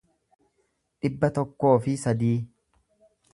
dhibba tokkoo fi sadii